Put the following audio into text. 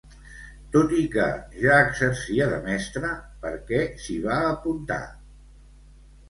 Tot i que ja exercia de mestra, per què s'hi va apuntar?